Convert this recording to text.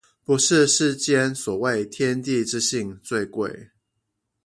不是世間所謂天地之性最貴